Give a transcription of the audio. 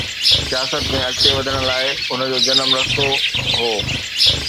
سياست ۾ اڳتي وڌڻ لاءِ هن جو جنم رستو هو.